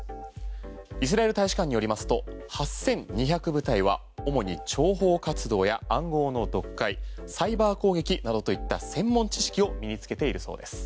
イスラエル大使館によりますと８２００部隊は主に諜報活動や暗号の読解サイバー攻撃などといった専門知識を身に着けているそうです。